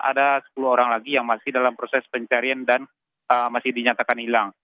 ada sepuluh orang lagi yang masih dalam proses pencarian dan masih dinyatakan hilang